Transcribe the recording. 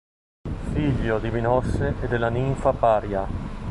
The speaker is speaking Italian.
Figlio di Minosse e della ninfa Paria.